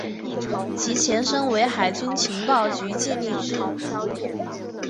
其前身为海军情报局建立之。